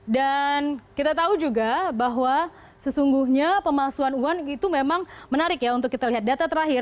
dan kita tahu juga bahwa sesungguhnya pemasuhan uang itu memang menarik ya untuk kita lihat data terakhir